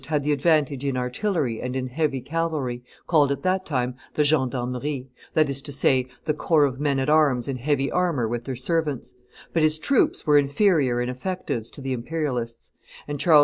had the advantage in artillery and in heavy cavalry, called at that time the gendarmerie, that is to say, the corps of men at arms in heavy armor with their servants; but his troops were inferior in effectives to the Imperialists, and Charles V.